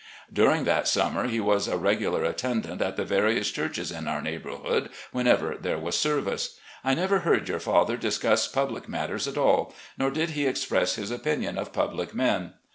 "... During that summer he was a regular at tendant at the various churches in our neighbourhood, whenever there was service. I never heard your father discuss public matters at all, nor did he express his opinion of public men.